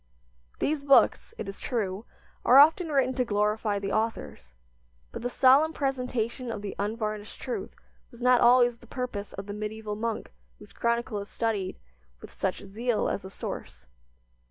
These books, it is true, are often written to glorify the authors; but the solemn presentation of the unvarnished truth was not always the purpose of the medieval monk whose chronicle is studied with such zeal as a source.